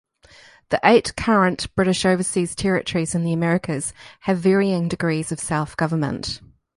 The eight current British overseas territories in the Americas have varying degrees of self-government.